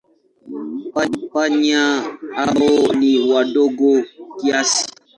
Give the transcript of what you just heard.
Panya hao ni wadogo kiasi.